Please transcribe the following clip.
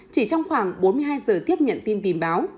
chỉ trong khoảng bốn mươi hai giờ tiếp nhận tin tìm báo